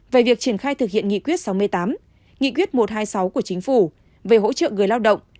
về việc triển khai thực hiện nghị quyết sáu mươi tám nghị quyết một trăm hai mươi sáu của chính phủ về hỗ trợ người lao động